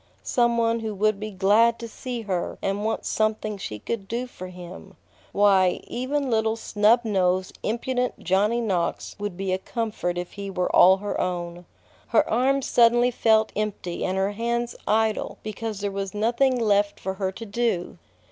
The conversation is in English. Some one who would be glad to see her and want something she could do for him! Why, even little snub nosed, impudent Johnny Knox would be a comfort if he were all her own. Her arms suddenly felt empty and her hands idle because there was nothing left for her to do.